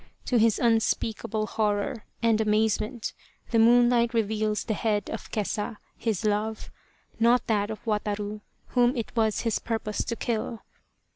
To his unspeak able horror and amazement the moonlight reveals the head of Kesa his love not that of Wataru, whom it was his purpose to kill.